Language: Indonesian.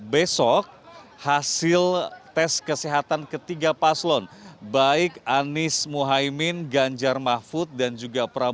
besok hasil tes kesehatan ketiga paslon baik anies muhaymin ganjar mahfud dan juga prabowo